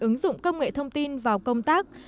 ứng dụng công nghệ thông tin vào công tác